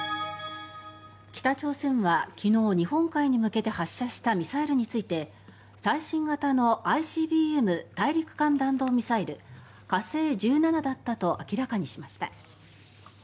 北朝鮮は昨日、日本海に向けて発射したミサイルについて最新型のＩＣＢＭ・大陸間弾道ミサイル火星１７だったと明らかにしました。